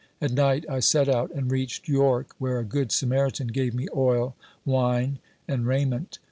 At night, I set out and reached York, where a good Samaritan gave ine oil, wine and raiment.